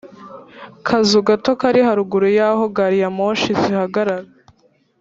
Kazu gato kari haruguru y aho gari ya moshi zihagarara